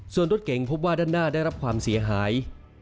ส่วนรถเก๋งพบว่าด้านหน้าได้รับความเสียหาย